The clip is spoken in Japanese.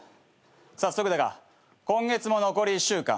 早速だが今月も残り１週間。